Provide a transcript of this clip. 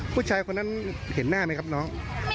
ผู้ชายคนนั้นเห็นหน้าไหมครับน้อง